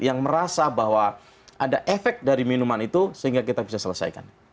yang merasa bahwa ada efek dari minuman itu sehingga kita bisa selesaikan